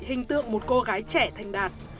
hình tượng một cô gái trẻ thành đạt